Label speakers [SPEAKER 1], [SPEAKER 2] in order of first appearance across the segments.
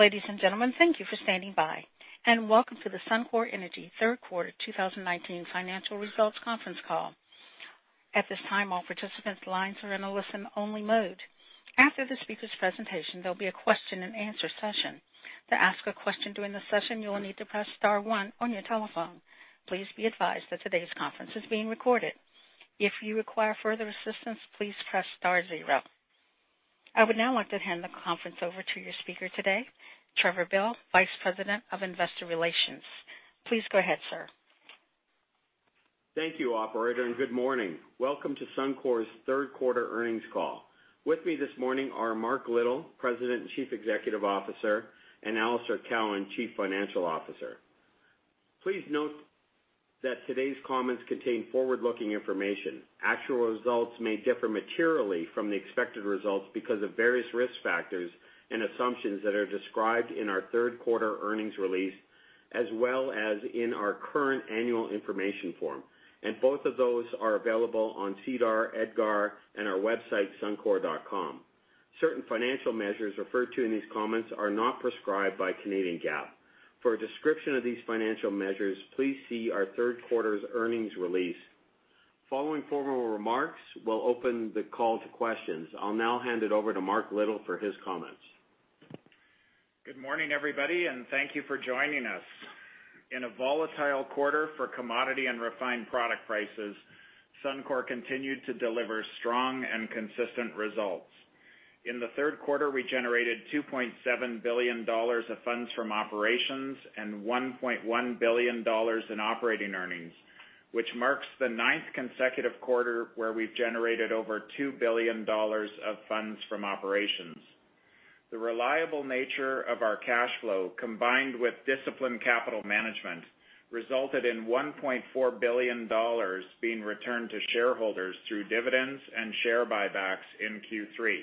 [SPEAKER 1] Ladies and gentlemen, thank you for standing by, and welcome to the Suncor Energy Third Quarter 2019 Financial Results Conference Call. At this time, all participants' lines are in a listen-only mode. After the speakers' presentation, there'll be a question and answer session. To ask a question during the session, you will need to press star one on your telephone. Please be advised that today's conference is being recorded. If you require further assistance, please press star zero. I would now like to hand the conference over to your speaker today, Trevor Bell, Vice President of Investor Relations. Please go ahead, sir.
[SPEAKER 2] Thank you, operator. Good morning. Welcome to Suncor's third quarter earnings call. With me this morning are Mark Little, President and Chief Executive Officer, and Alister Cowan, Chief Financial Officer. Please note that today's comments contain forward-looking information. Actual results may differ materially from the expected results because of various risk factors and assumptions that are described in our third-quarter earnings release, as well as in our current annual information form. Both of those are available on SEDAR, EDGAR, and our website, suncor.com. Certain financial measures referred to in these comments are not prescribed by Canadian GAAP. For a description of these financial measures, please see our third quarter's earnings release. Following formal remarks, we'll open the call to questions. I'll now hand it over to Mark Little for his comments.
[SPEAKER 3] Good morning, everybody, and thank you for joining us. In a volatile quarter for commodity and refined product prices, Suncor continued to deliver strong and consistent results. In the third quarter, we generated 2.7 billion dollars of funds from operations and 1.1 billion dollars in operating earnings, which marks the ninth consecutive quarter where we've generated over 2 billion dollars of funds from operations. The reliable nature of our cash flow, combined with disciplined capital management, resulted in 1.4 billion dollars being returned to shareholders through dividends and share buybacks in Q3.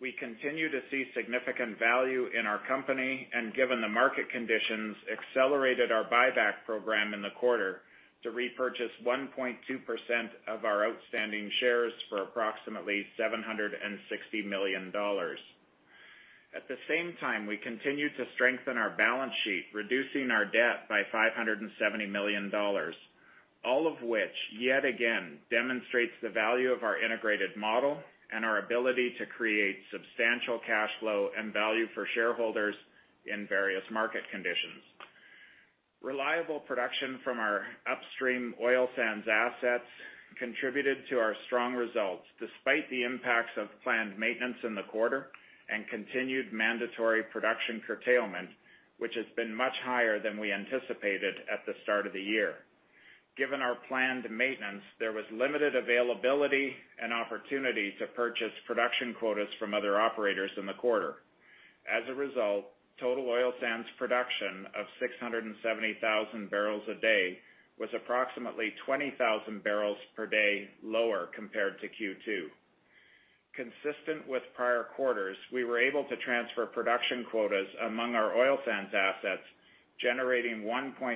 [SPEAKER 3] We continue to see significant value in our company and, given the market conditions, accelerated our buyback program in the quarter to repurchase 1.2% of our outstanding shares for approximately 760 million dollars. At the same time, we continued to strengthen our balance sheet, reducing our debt by 570 million dollars, all of which, yet again, demonstrates the value of our integrated model and our ability to create substantial cash flow and value for shareholders in various market conditions. Reliable production from our upstream oil sands assets contributed to our strong results, despite the impacts of planned maintenance in the quarter and continued mandatory production curtailment, which has been much higher than we anticipated at the start of the year. Given our planned maintenance, there was limited availability and opportunity to purchase production quotas from other operators in the quarter. As a result, total oil sands production of 670,000 barrels a day was approximately 20,000 barrels per day lower compared to Q2. Consistent with prior quarters, we were able to transfer production quotas among our oil sands assets, generating 1.6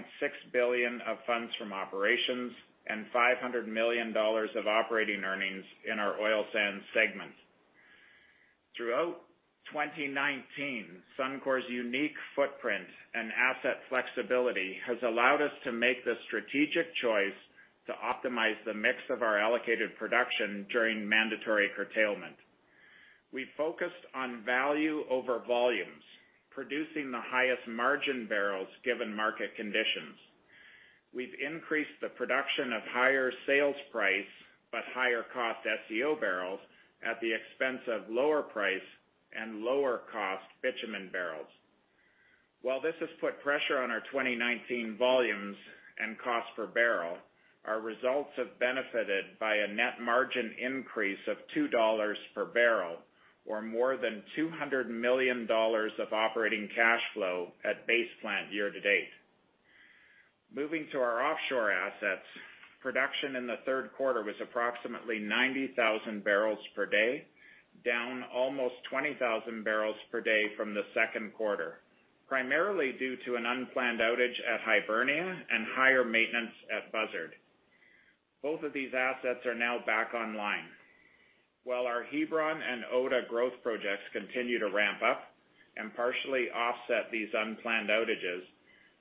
[SPEAKER 3] billion of funds from operations and 500 million dollars of operating earnings in our Oil Sands Segment. Throughout 2019, Suncor's unique footprint and asset flexibility has allowed us to make the strategic choice to optimize the mix of our allocated production during mandatory curtailment. We focused on value over volumes, producing the highest-margin barrels given market conditions. We've increased the production of higher sales price but higher-cost SCO barrels at the expense of lower price and lower-cost bitumen barrels. While this has put pressure on our 2019 volumes and cost per barrel, our results have benefited by a net margin increase of 2 dollars per barrel, or more than 200 million dollars of operating cash flow at base plant year to date. Moving to our offshore assets, production in the third quarter was approximately 90,000 barrels per day, down almost 20,000 barrels per day from the second quarter, primarily due to an unplanned outage at Hibernia and higher maintenance at Buzzard. Both of these assets are now back online. While our Hebron and Oda growth projects continue to ramp up and partially offset these unplanned outages,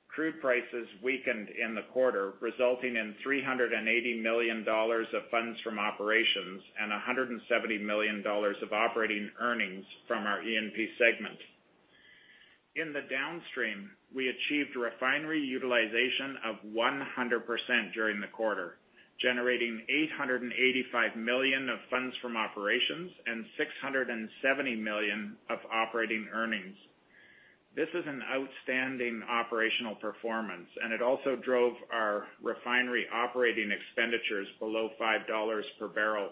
[SPEAKER 3] crude prices weakened in the quarter, resulting in 380 million dollars of funds from operations and 170 million dollars of operating earnings from our E&P segment. In the downstream, we achieved refinery utilization of 100% during the quarter, generating 885 million of funds from operations and 670 million of operating earnings. This is an outstanding operational performance, and it also drove our refinery operating expenditures below 5 dollars per barrel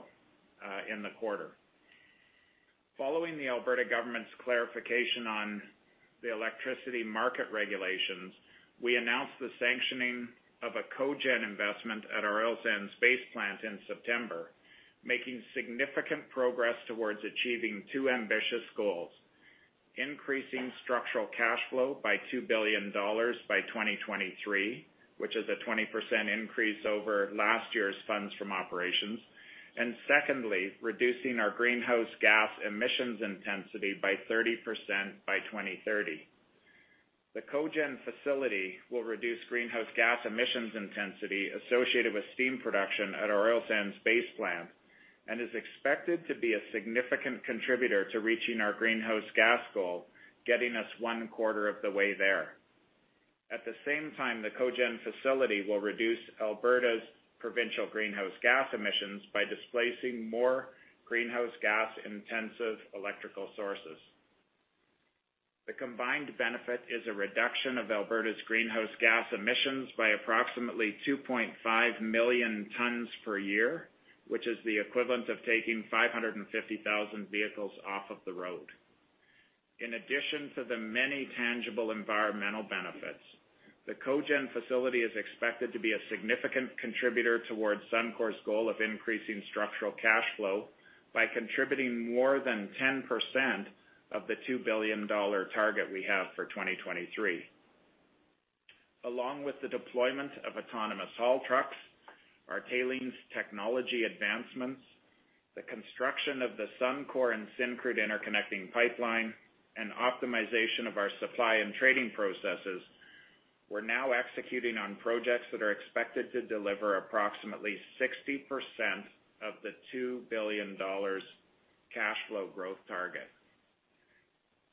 [SPEAKER 3] in the quarter. Following the Alberta government's clarification on the electricity market regulations, we announced the sanctioning of a co-gen investment at our Oil Sands Base plant in September, making significant progress towards achieving two ambitious goals. Increasing structural cash flow by 2 billion dollars by 2023, which is a 20% increase over last year's funds from operations. Secondly, reducing our greenhouse gas emissions intensity by 30% by 2030. The co-gen facility will reduce greenhouse gas emissions intensity associated with steam production at our Oil Sands Base plant and is expected to be a significant contributor to reaching our greenhouse gas goal, getting us one quarter of the way there. At the same time, the co-gen facility will reduce Alberta's provincial greenhouse gas emissions by displacing more greenhouse gas intensive electrical sources. The combined benefit is a reduction of Alberta's greenhouse gas emissions by approximately 2.5 million tons per year, which is the equivalent of taking 550,000 vehicles off of the road. In addition to the many tangible environmental benefits, the cogen facility is expected to be a significant contributor towards Suncor's goal of increasing structural cash flow by contributing more than 10% of the 2 billion dollar target we have for 2023. Along with the deployment of autonomous haul trucks, our tailings technology advancements, the construction of the Suncor and Syncrude interconnecting pipeline, and optimization of our supply and trading processes, we are now executing on projects that are expected to deliver approximately 60% of the 2 billion dollars cash flow growth target.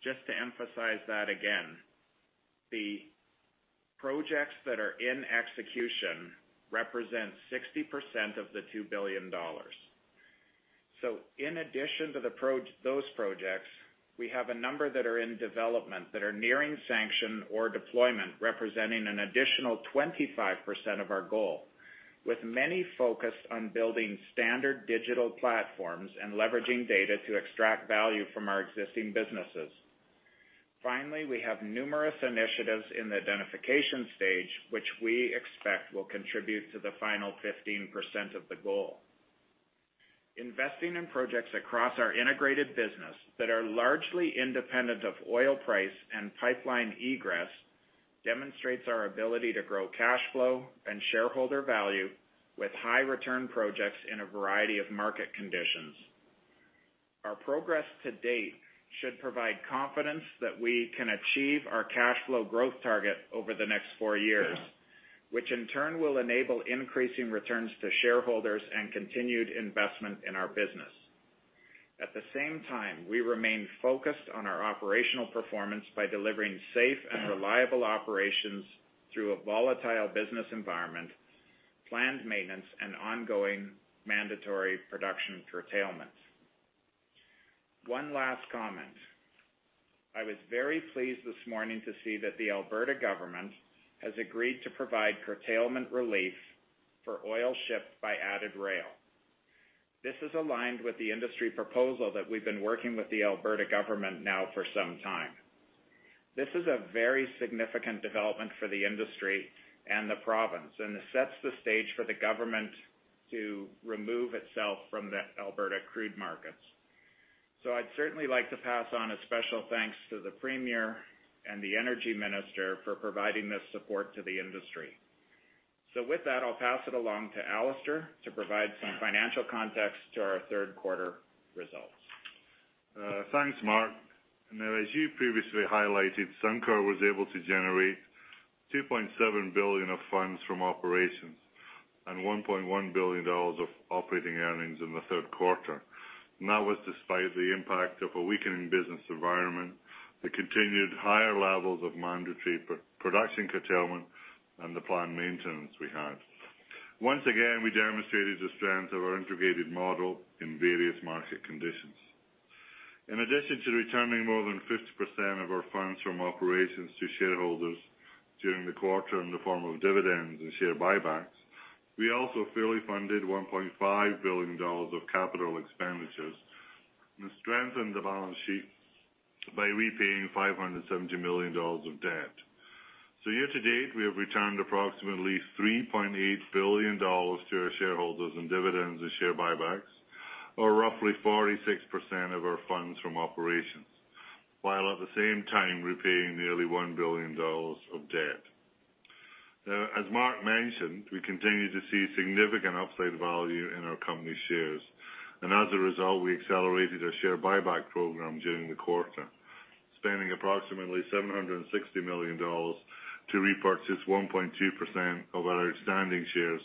[SPEAKER 3] Just to emphasize that again, the projects that are in execution represent 60% of the 2 billion dollars. In addition to those projects, we have a number that are in development that are nearing sanction or deployment, representing an additional 25% of our goal. With many focused on building standard digital platforms and leveraging data to extract value from our existing businesses. Finally, we have numerous initiatives in the identification stage, which we expect will contribute to the final 15% of the goal. Investing in projects across our integrated business that are largely independent of oil price and pipeline egress, demonstrates our ability to grow cash flow and shareholder value with high return projects in a variety of market conditions. Our progress to date should provide confidence that we can achieve our cash flow growth target over the next four years, which in turn will enable increasing returns to shareholders and continued investment in our business. At the same time, we remain focused on our operational performance by delivering safe and reliable operations through a volatile business environment, planned maintenance, and ongoing mandatory production curtailment. One last comment. I was very pleased this morning to see that the Alberta government has agreed to provide curtailment relief for oil shipped by added rail. This is aligned with the industry proposal that we've been working with the Alberta government now for some time. This is a very significant development for the industry and the province, and it sets the stage for the government to remove itself from the Alberta crude markets. I'd certainly like to pass on a special thanks to the Premier and the Energy Minister for providing this support to the industry. With that, I'll pass it along to Alister to provide some financial context to our third quarter results.
[SPEAKER 4] Thanks, Mark. As you previously highlighted, Suncor was able to generate 2.7 billion of funds from operations and 1.1 billion dollars of operating earnings in the third quarter. That was despite the impact of a weakening business environment, the continued higher levels of mandatory production curtailment, and the planned maintenance we had. Once again, we demonstrated the strength of our integrated model in various market conditions. In addition to returning more than 50% of our funds from operations to shareholders during the quarter in the form of dividends and share buybacks, we also fully funded 1.5 billion dollars of capital expenditures and strengthened the balance sheet by repaying 570 million dollars of debt. Year to date, we have returned approximately 3.8 billion dollars to our shareholders in dividends and share buybacks, or roughly 46% of our funds from operations, while at the same time repaying nearly 1 billion dollars of debt. As Mark mentioned, we continue to see significant upside value in our company shares. As a result, we accelerated our share buyback program during the quarter, spending approximately 760 million dollars to repurchase 1.2% of our outstanding shares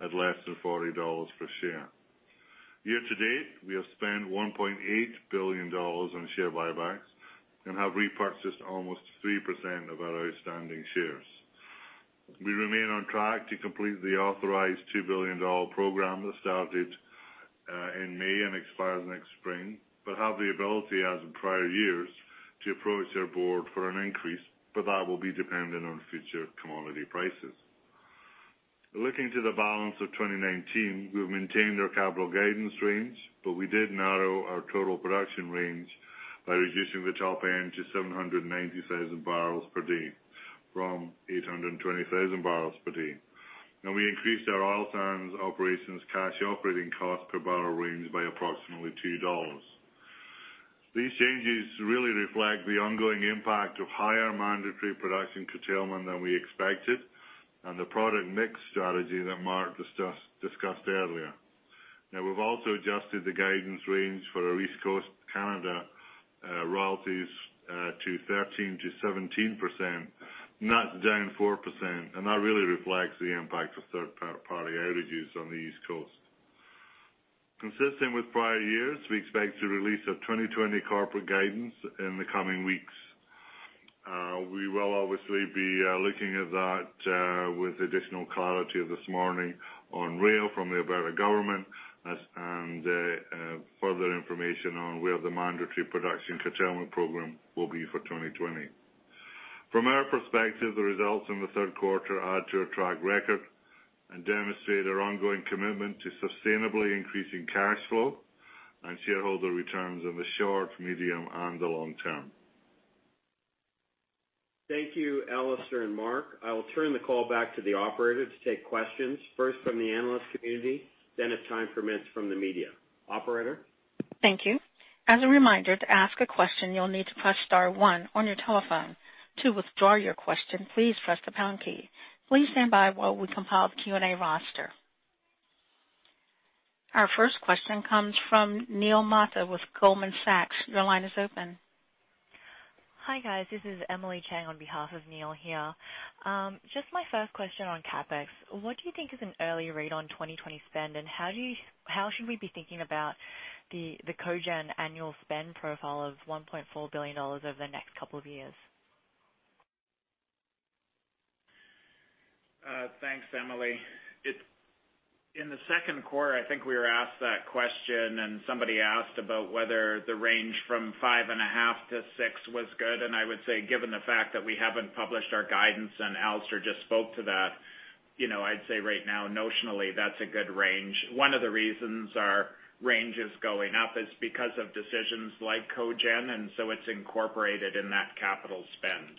[SPEAKER 4] at less than 40 dollars per share. Year to date, we have spent 1.8 billion dollars on share buybacks and have repurchased almost 3% of our outstanding shares. We remain on track to complete the authorized 2 billion dollar program that started in May and expires next spring, but have the ability as in prior years to approach our board for an increase, but that will be dependent on future commodity prices. Looking to the balance of 2019, we've maintained our capital guidance range, but we did narrow our total production range by reducing the top end to 790,000 barrels per day from 820,000 barrels per day. We increased our oil sands operations cash operating cost per barrel range by approximately 2 dollars. These changes really reflect the ongoing impact of higher mandatory production curtailment than we expected and the product mix strategy that Mark discussed earlier. We've also adjusted the guidance range for our East Coast Canada royalties to 13%-17%, net down 4%, and that really reflects the impact of third-party outages on the East Coast. Consistent with prior years, we expect to release our 2020 corporate guidance in the coming weeks. We will obviously be looking at that with additional clarity this morning on rail from the Alberta government and further information on where the mandatory production curtailment program will be for 2020. From our perspective, the results in the third quarter are a track record and demonstrate our ongoing commitment to sustainably increasing cash flow and shareholder returns in the short, medium, and the long term.
[SPEAKER 2] Thank you, Alister and Mark. I will turn the call back to the operator to take questions, first from the analyst community, then as time permits from the media. Operator?
[SPEAKER 1] Thank you. As a reminder, to ask a question, you'll need to press star one on your telephone. To withdraw your question, please press the pound key. Please stand by while we compile the Q&A roster. Our first question comes from Neil Mehta with Goldman Sachs. Your line is open.
[SPEAKER 5] Hi, guys. This is Emily Chang on behalf of Neil here. Just my first question on CapEx. What do you think is an early read on 2020 spend, and how should we be thinking about the co-gen annual spend profile of 1.4 billion dollars over the next couple of years?
[SPEAKER 3] Thanks, Emily. In the second quarter, I think we were asked that question, and somebody asked about whether the range from 5.5-6 was good, and I would say, given the fact that we haven't published our guidance, and Alister just spoke to that, I'd say right now, notionally, that's a good range. One of the reasons our range is going up is because of decisions like co-gen, and so it's incorporated in that capital spend.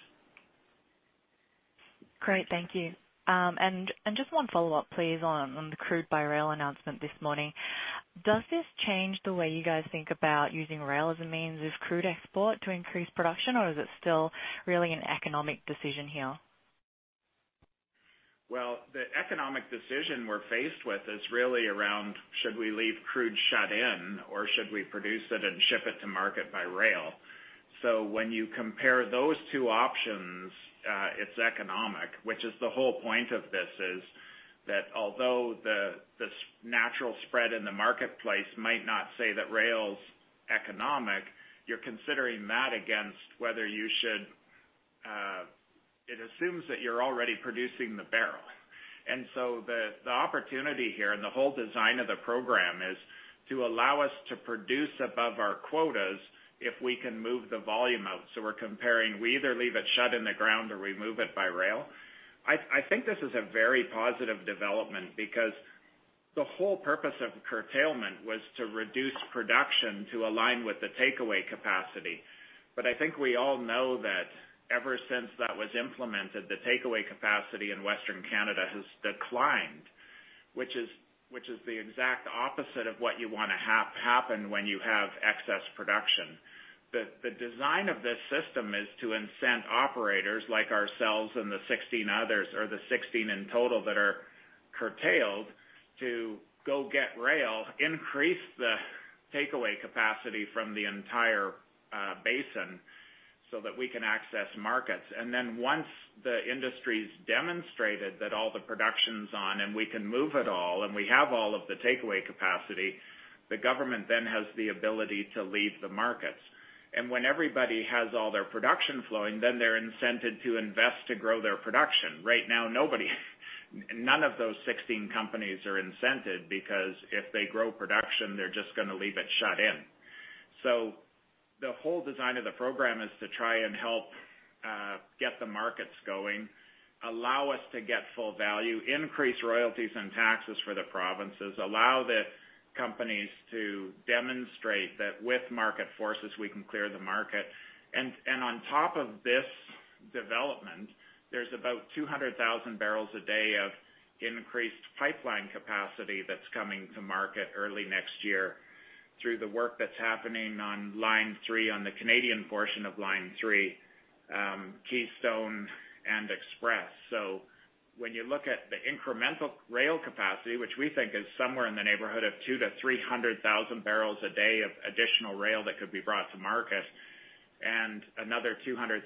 [SPEAKER 5] Great. Thank you. Just one follow-up, please, on the crude-by-rail announcement this morning. Does this change the way you guys think about using rail as a means of crude export to increase production, or is it still really an economic decision here?
[SPEAKER 3] The economic decision we're faced with is really around should we leave crude shut in or should we produce it and ship it to market by rail? When you compare those two options, it's economic, which is the whole point of this is that although the natural spread in the marketplace might not say that rail's economic, you're considering that against whether you should. It assumes that you're already producing the barrel. The opportunity here and the whole design of the program is to allow us to produce above our quotas if we can move the volume out. We're comparing, we either leave it shut in the ground or we move it by rail. I think this is a very positive development because the whole purpose of curtailment was to reduce production to align with the takeaway capacity. I think we all know that ever since that was implemented, the takeaway capacity in Western Canada has declined, which is the exact opposite of what you want to have happen when you have excess production. The design of this system is to incent operators like ourselves and the 16 in total that are curtailed to go get rail, increase the takeaway capacity from the entire basin so that we can access markets. Then once the industry's demonstrated that all the production's on and we can move it all and we have all of the takeaway capacity, the government then has the ability to leave the markets. When everybody has all their production flowing, then they're incented to invest to grow their production. Right now, none of those 16 companies are incented because if they grow production, they're just going to leave it shut in. The whole design of the program is to try and help get the markets going, allow us to get full value, increase royalties and taxes for the provinces, allow the companies to demonstrate that with market forces, we can clear the market. On top of this development, there's about 200,000 barrels a day of increased pipeline capacity that's coming to market early next year through the work that's happening on Line 3, on the Canadian portion of Line 3, Keystone, and Express. When you look at the incremental rail capacity, which we think is somewhere in the neighborhood of 200,000-300,000 barrels a day of additional rail that could be brought to market and another 200,000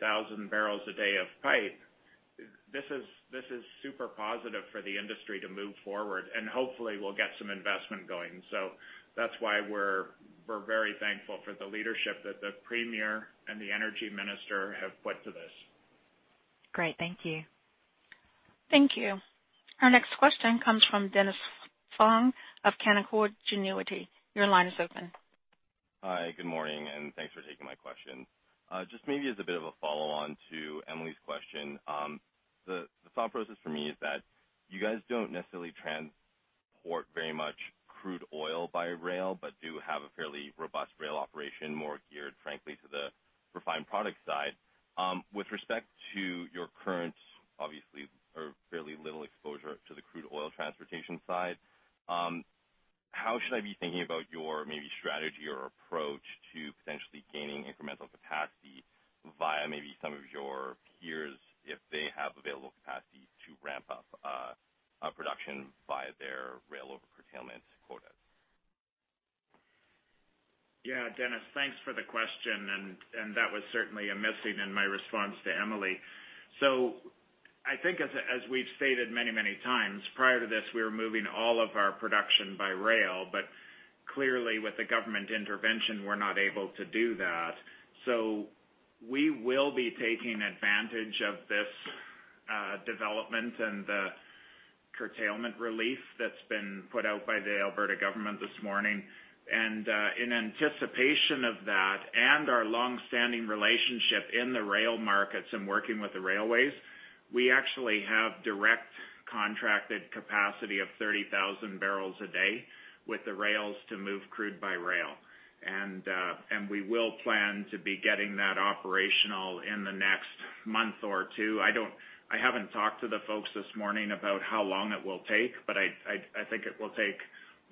[SPEAKER 3] barrels a day of pipe, this is super positive for the industry to move forward, and hopefully we'll get some investment going. That's why we're very thankful for the leadership that the Premier and the Energy Minister have put to this.
[SPEAKER 5] Great. Thank you.
[SPEAKER 1] Thank you. Our next question comes from Dennis Fong of Canaccord Genuity. Your line is open.
[SPEAKER 6] Hi, good morning, and thanks for taking my question. Just maybe as a bit of a follow-on to Emily's question. The thought process for me is that you guys don't necessarily transport very much crude oil by rail, but do have a fairly robust rail operation more geared, frankly, to the refined product side. With respect to your current, obviously, or fairly little exposure to the crude oil transportation side, how should I be thinking about your maybe strategy or approach to potentially gaining incremental capacity via maybe some of your peers, if they have available capacity to ramp up production via their rail over curtailment quotas?
[SPEAKER 3] Dennis, thanks for the question. That was certainly missing in my response to Emily. I think as we've stated many times, prior to this, we were moving all of our production by rail. Clearly, with the government intervention, we're not able to do that. We will be taking advantage of this development and the curtailment relief that's been put out by the Alberta Government this morning. In anticipation of that and our longstanding relationship in the rail markets and working with the railways, we actually have direct contracted capacity of 30,000 barrels a day with the rails to move crude by rail. We will plan to be getting that operational in the next month or two. I haven't talked to the folks this morning about how long it will take, but I think it will take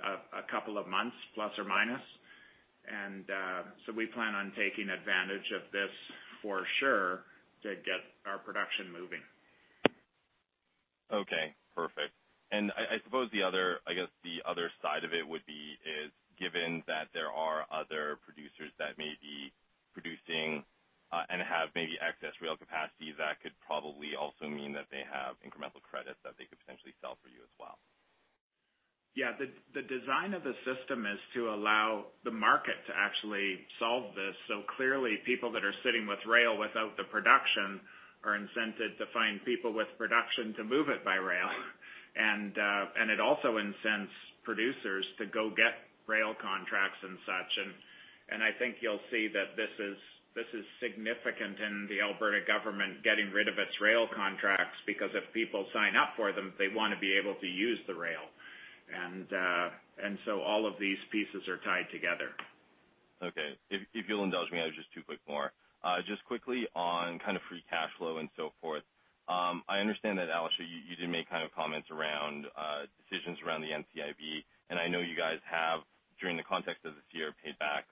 [SPEAKER 3] a couple of months, plus or minus. We plan on taking advantage of this for sure to get our production moving.
[SPEAKER 6] Okay, perfect. I suppose the other side of it would be is, given that there are other producers that may be producing and have maybe excess rail capacity, that could probably also mean that they have incremental credits that they could potentially sell for you as well.
[SPEAKER 3] Yeah. The design of the system is to allow the market to actually solve this. Clearly, people that are sitting with rail without the production are incented to find people with production to move it by rail. It also incents producers to go get rail contracts and such. I think you'll see that this is significant in the Alberta government getting rid of its rail contracts because if people sign up for them, they want to be able to use the rail. All of these pieces are tied together.
[SPEAKER 6] Okay. If you'll indulge me, I have just two quick more. Just quickly on free cash flow and so forth. I understand that Alister, you did make comments around decisions around the NCIB. I know you guys have, during the context of this year, paid back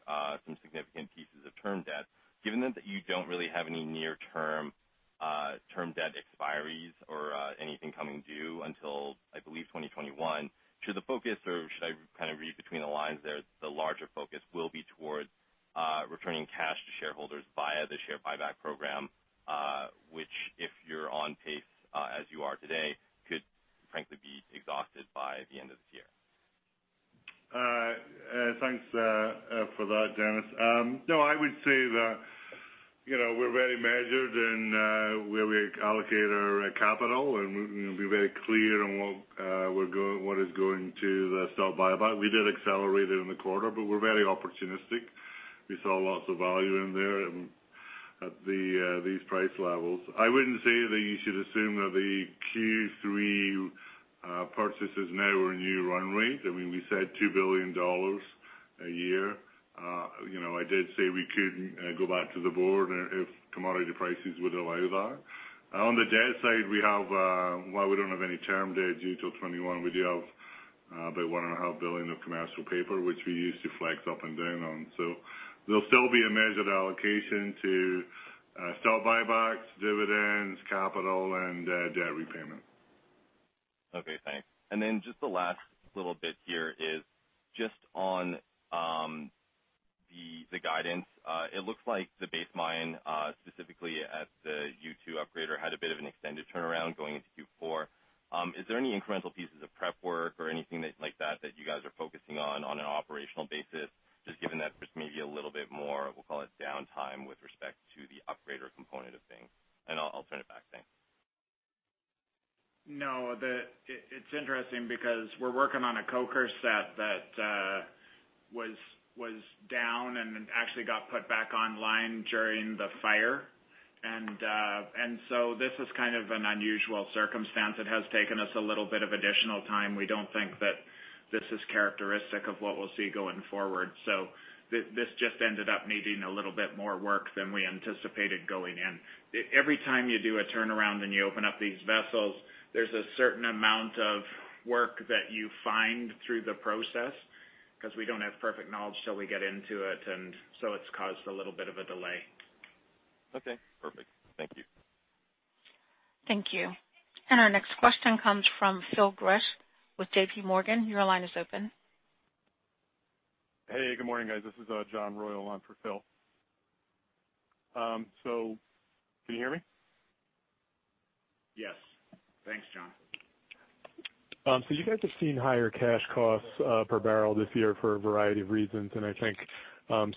[SPEAKER 6] some significant pieces of term debt. Given that you don't really have any near-term term debt expiries or anything coming due until, I believe, 2021, should the focus or should I read between the lines there that the larger focus will be towards returning cash to shareholders via the share buyback program, which if you're on pace as you are today, could frankly be exhausted by the end of this year.
[SPEAKER 4] Thanks for that, Dennis. No, I would say that we're very measured in where we allocate our capital, and we'll be very clear on what is going to the stock buyback. We did accelerate it in the quarter. We're very opportunistic. We saw lots of value in there at these price levels. I wouldn't say that you should assume that the Q3 purchase is now our new run rate. We said 2 billion dollars a year. I did say we could go back to the board if commodity prices would allow that. On the debt side, while we don't have any term debt due till 2021, we do have about 1.5 billion of commercial paper, which we use to flex up and down on. There'll still be a measured allocation to stock buybacks, dividends, capital, and debt repayment.
[SPEAKER 6] Okay, thanks. Then just the last little bit here is just on the guidance. It looks like the base mine, specifically at the U2 upgrader, had a bit of an extended turnaround going into Q4. Is there any incremental pieces of prep work or anything like that that you guys are focusing on an operational basis, just given that there's maybe a little bit more, we'll call it downtime with respect to the upgrader component of things? I'll turn it back. Thanks.
[SPEAKER 3] No. It's interesting because we're working on a coker set that was down and actually got put back online during the fire. This is kind of an unusual circumstance. It has taken us a little bit of additional time. We don't think that this is characteristic of what we'll see going forward. This just ended up needing a little bit more work than we anticipated going in. Every time you do a turnaround and you open up these vessels, there's a certain amount of work that you find through the process because we don't have perfect knowledge till we get into it. It's caused a little bit of a delay.
[SPEAKER 6] Okay, perfect. Thank you.
[SPEAKER 1] Thank you. Our next question comes from Phil Gresh with JPMorgan. Your line is open.
[SPEAKER 7] Hey, good morning, guys. This is John Royall on for Phil. Can you hear me?
[SPEAKER 3] Yes. Thanks, John.
[SPEAKER 7] You guys have seen higher cash costs per barrel this year for a variety of reasons, and I think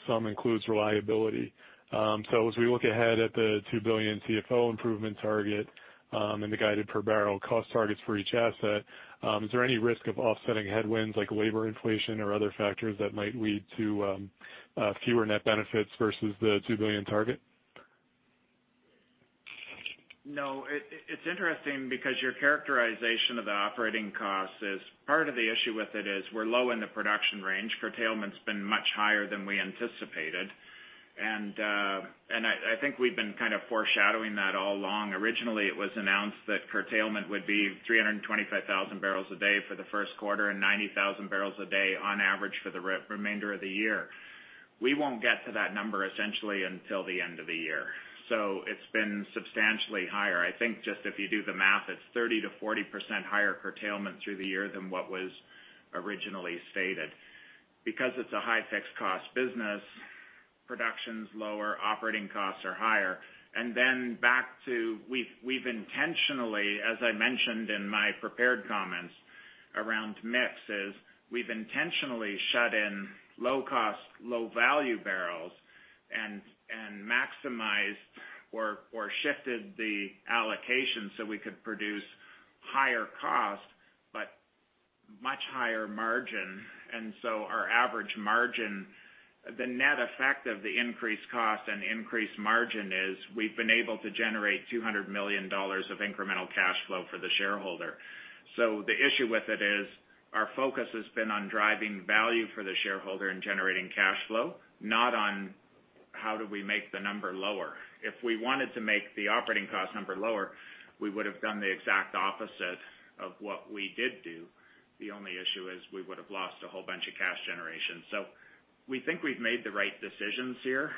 [SPEAKER 7] some includes reliability. As we look ahead at the 2 billion CFO improvement target, and the guided per barrel cost targets for each asset, is there any risk of offsetting headwinds like labor inflation or other factors that might lead to fewer net benefits versus the 2 billion target?
[SPEAKER 3] No. It's interesting because your characterization of the operating cost is part of the issue with it is we're low in the production range. Curtailment's been much higher than we anticipated. I think we've been foreshadowing that all along. Originally, it was announced that curtailment would be 325,000 barrels a day for the first quarter and 90,000 barrels a day on average for the remainder of the year. We won't get to that number essentially until the end of the year. It's been substantially higher. I think just if you do the math, it's 30%-40% higher curtailment through the year than what was originally stated. Because it's a high fixed cost business, production's lower, operating costs are higher. Then back to, we've intentionally, as I mentioned in my prepared comments around mixes, we've intentionally shut in low cost, low value barrels and maximized or shifted the allocation so we could produce higher cost, but much higher margin. Our average margin, the net effect of the increased cost and increased margin is we've been able to generate 200 million dollars of incremental cash flow for the shareholder. The issue with it is our focus has been on driving value for the shareholder and generating cash flow, not on how do we make the number lower. If we wanted to make the operating cost number lower, we would have done the exact opposite of what we did do. The only issue is we would have lost a whole bunch of cash generation. We think we've made the right decisions here.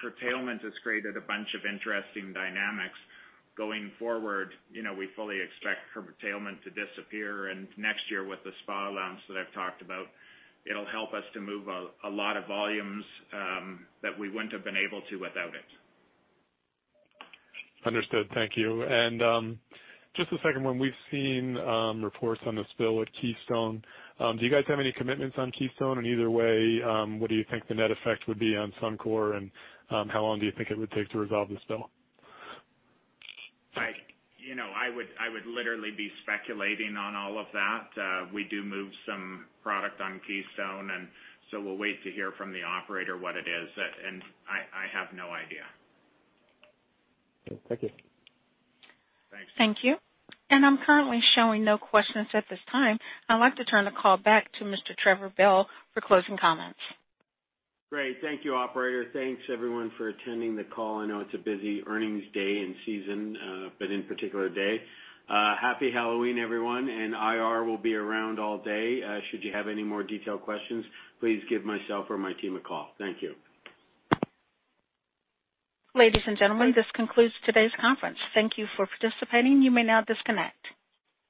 [SPEAKER 3] Curtailment has created a bunch of interesting dynamics going forward. Next year with the SPA allowance that I've talked about, it'll help us to move a lot of volumes that we wouldn't have been able to without it.
[SPEAKER 7] Understood. Thank you. Just the second one, we've seen reports on the spill at Keystone. Do you guys have any commitments on Keystone? Either way, what do you think the net effect would be on Suncor and how long do you think it would take to resolve the spill?
[SPEAKER 3] I would literally be speculating on all of that. We do move some product on Keystone, we'll wait to hear from the operator what it is. I have no idea.
[SPEAKER 7] Thank you.
[SPEAKER 3] Thanks.
[SPEAKER 1] Thank you. I'm currently showing no questions at this time. I'd like to turn the call back to Mr. Trevor Bell for closing comments.
[SPEAKER 3] Great. Thank you, operator. Thanks everyone for attending the call. I know it's a busy earnings day and season, but in particular day. Happy Halloween, everyone. IR will be around all day. Should you have any more detailed questions, please give myself or my team a call. Thank you.
[SPEAKER 1] Ladies and gentlemen, this concludes today's conference. Thank you for participating. You may now disconnect.